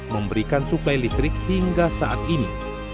memberikan suplai listrik hingga saat ini